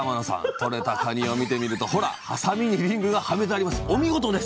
とれたかにを見てみるとほらハサミにリングがはめてあります。